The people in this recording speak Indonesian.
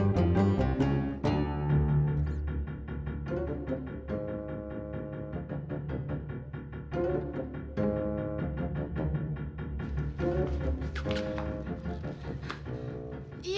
oke deh jang yuk silahkan duduk ya